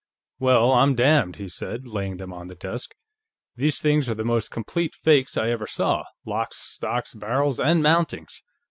"Well, I'm damned," he said, laying them on the desk. "These things are the most complete fakes I ever saw locks, stocks, barrels and mountings.